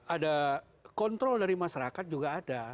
ada kontrol dari masyarakat juga ada